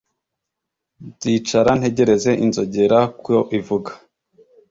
Nzicara ntegereze inzogera ko ivuga